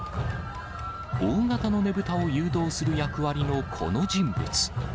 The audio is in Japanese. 大型のねぶたを誘導する役割のこの人物。